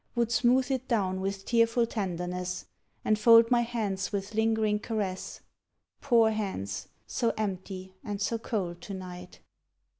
Would smooth it down with tearful tenderness, And fold my hands with lingering caress Poor hands, so empty and so cold to night!